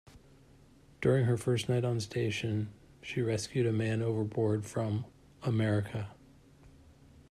During her first night on station, she rescued a man overboard from "America".